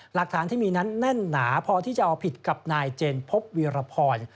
หลักฐานที่มีนั้นแน่นหนาพอที่จะเอาผิดกับนายเจนพบวีรพร